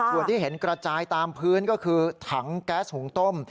ส่วนที่เห็นกระจายตามพื้นก็คือถังแก๊สหุงต้ม